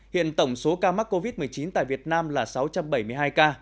hiện tổng số ca mắc covid một mươi chín tại việt nam là sáu trăm bảy mươi hai ca